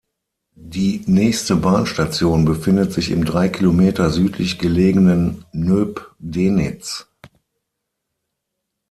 Die nächste Bahnstation befindet sich im drei Kilometer südlich gelegenen Nöbdenitz.